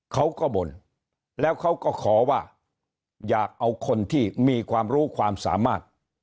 เขาก็บ่นแล้วเขาก็ขอว่าอยากเอาคนที่มีความรู้ความสามารถ